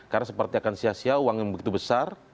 karena seperti akan sia sia uang yang begitu besar